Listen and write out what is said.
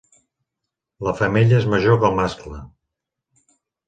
La femella és major que el mascle.